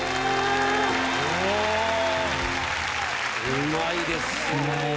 うまいですね。